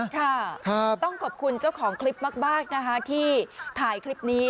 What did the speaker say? ค่ะต้องขอบคุณเจ้าของคลิปมากนะคะที่ถ่ายคลิปนี้